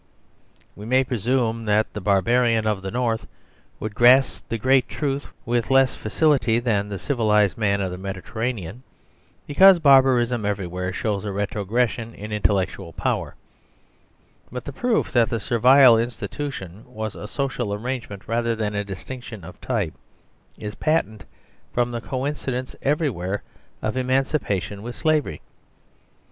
We may presume that the barbarian of the North would grasp the great truth with less facility than the civilised man of the Mediterranean, because barbar ism everywhere shows a retrogression in intellectual power; but the proof that the Servile Institution was a social arrangement rather than a distinction of type is patent fromthecoincidenceeverywhereof Emanci pation with Slavery.